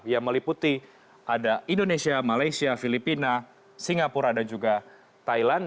yang meliputi ada indonesia malaysia filipina singapura dan juga thailand